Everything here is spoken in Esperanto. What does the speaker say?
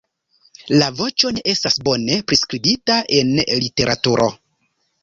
La voĉo ne estas bone priskribita en literaturo.